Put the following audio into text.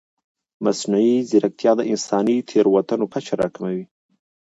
مصنوعي ځیرکتیا د انساني تېروتنو کچه راکموي.